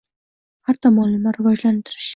Har tomonlama rivojlantirish